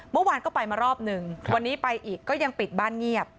เมื่อวานก็ไปมารอบหนึ่งวันนี้ไปอีกก็ยังปิดบ้านเงียบ